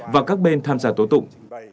và các bên tham gia tố tụng